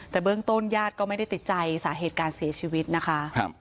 แต่เบื้องต้นญาติก็ไม่ได้ติดใจสาเหตุการเสียชีวิตนะคะ